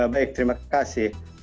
baik terima kasih